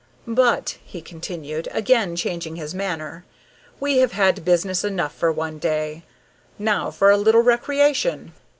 "But," he continued, again changing his manner, "we have had business enough for one day; now for a little recreation."